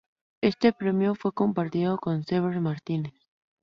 Este premio fue compartido con Servet Martínez.